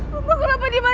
mama kenapa dibaca sih